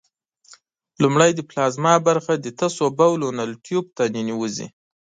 لومړی د پلازما برخه د تشو بولو نل ټیوب ته ننوزي.